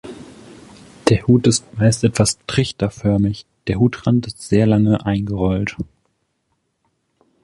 Der Hut ist meist etwas trichterförmig, der Hutrand ist sehr lange eingerollt.